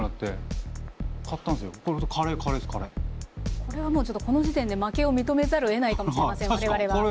これはもうちょっとこの時点で負けを認めざるをえないかもしれません我々は。